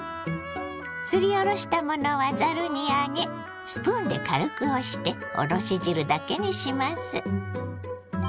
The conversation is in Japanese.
すりおろしたものはざるに上げスプーンで軽く押しておろし汁だけにします。